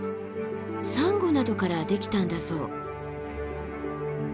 サンゴなどからできたんだそう。